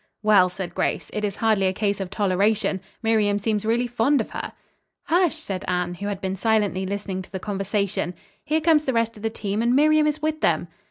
"Well," said Grace, "it is hardly a case of toleration. Miriam seems really fond of her." "Hush!" said Anne, who had been silently listening to the conversation. "Here comes the rest of the team, and Miriam is with them."